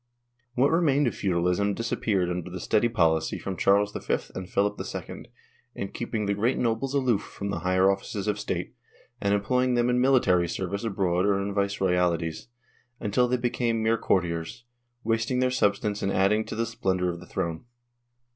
What remained of feudalism disappeared under the steady policy of Charles V and Philip II, in keeping the great nobles aloof from the higher offices of state, and employing them in military service abroad or in vice royalties, until they became mere courtiers, wasting their substance in adding to the splendor of the throne.